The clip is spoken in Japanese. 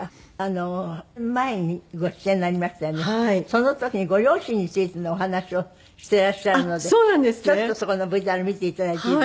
その時にご両親についてのお話をしていらっしゃるのでちょっとそこのＶＴＲ見て頂いていいですか？